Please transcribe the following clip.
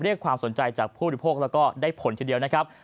เรียกความสนใจจากผู้ริโภคและได้ผลทีเดียว